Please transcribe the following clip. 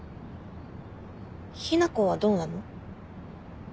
雛子はどうなの？